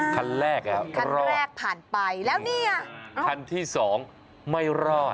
ขันแรกอะรอดแล้วเนี่ยขันที่สองไม่รอด